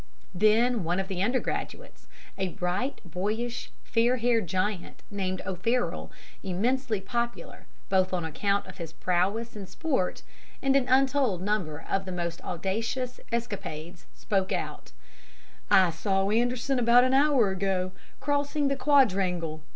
Then one of the undergraduates, a bright, boyish, fair haired giant, named O'Farroll, immensely popular both on account of his prowess in sport and an untold number of the most audacious escapades, spoke out: "'I saw Anderson, about an hour ago, crossing the quadrangle.